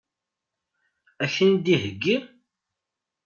Ad k-ten-id-iheggi?